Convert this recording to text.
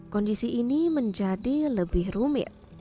kondisi ini menjadi lebih rumit